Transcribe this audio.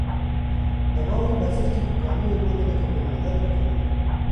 د واورې بڅرکي په کالیو باندې لکه ملغلرې ښکارېدل.